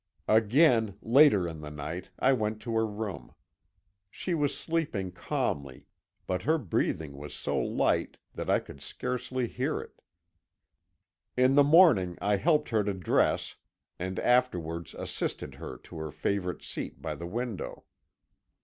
"Again, later in the night, I went to her room. She was sleeping calmly, but her breathing was so light that I could scarcely hear it. In the morning I helped her to dress, and afterwards assisted her to her favourite seat by the window.